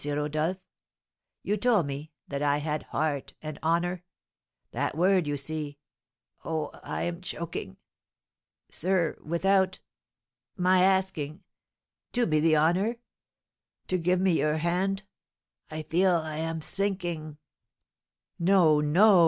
Rodolph. You told me that I had heart and honour. That word, you see oh, I am choking! Sir, without my asking do me the honour to give me your hand I feel I am sinking." "No, no!